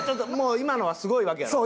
今のはすごいわけやろ？